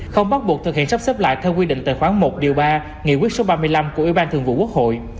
không bắt buộc thực hiện sắp xếp lại theo quy định tài khoản một điều ba nghị quyết số ba mươi năm của ủy ban thường vụ quốc hội